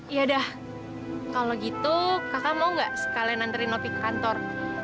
yaudah kalau gitu kakak mau gak sekalian nantriin opi ke kantor